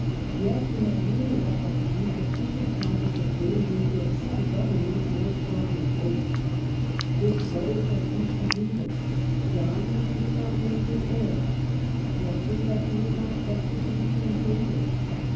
Yet he had really left behind sufficient causes of danger to upset a government more strongly based. His brothers had each a grievance : John, that he was not named his heir; Geoffrey, that he was not trusted to return to England.